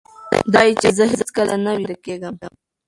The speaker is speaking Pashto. دی وایي چې زه هیڅکله نه ویده کېږم.